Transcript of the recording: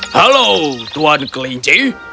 halooo tuan kelinci